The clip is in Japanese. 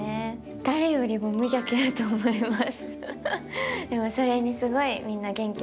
誰よりも無邪気だと思います。